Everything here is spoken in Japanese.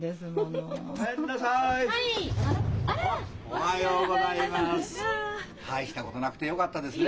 おはようございます。